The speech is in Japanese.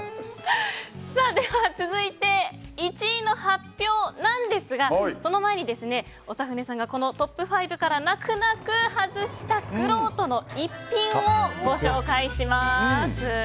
では、続いて１位の発表なんですがその前に、長船さんがこのトップ５から泣く泣く外したくろうとの逸品をご紹介します。